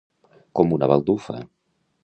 Com una baldufa.